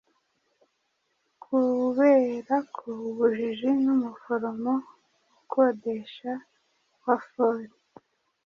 Kuberako ubujiji numuforomo ukodesha wa Foli